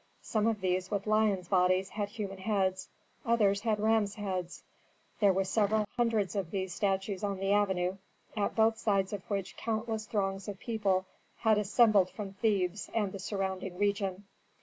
Some of these with lions' bodies had human heads, others had rams' heads. There were several hundreds of these statues on the avenue, at both sides of which countless throngs of people had assembled from Thebes and the surrounding region.